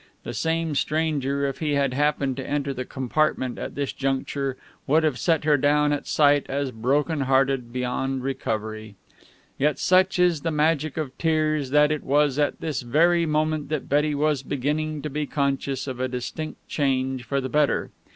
The same stranger, if he had happened to enter the compartment at this juncture, would have set her down at sight as broken hearted beyond recovery. Yet such is the magic of tears that it was at this very moment that Betty was beginning to be conscious of a distinct change for the better.